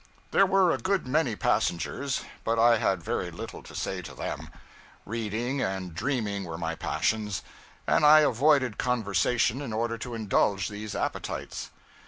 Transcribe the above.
There were a good many passengers, but I had very little to say to them; reading and dreaming were my passions, and I avoided conversation in order to indulge these appetites.